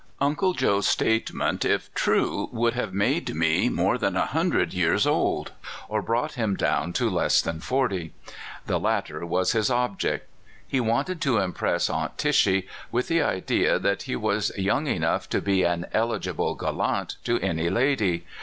Uncle Joe's statement, if true, would have made me more than a hundred years old, or brought him down to less than forty. The latter was his object; he wanted to impress Aunt Tishy with the idea that lie was young enough to 260 CALIFORNIA SKETCHES. be an eligible gallant to any lady.